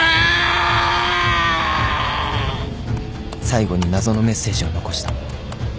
［最後に謎のメッセージを残した］